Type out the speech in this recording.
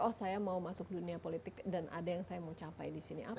oh saya mau masuk dunia politik dan ada yang saya mau capai di sini